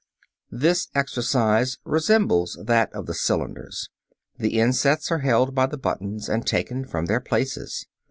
This exercise resembles that of the cylinders. The insets are held by the buttons and taken from their places.